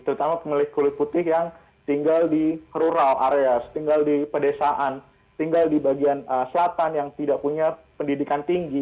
terutama pemilik kulit putih yang tinggal di rural area tinggal di pedesaan tinggal di bagian selatan yang tidak punya pendidikan tinggi